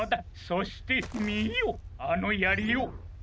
そしてみよあのやりを！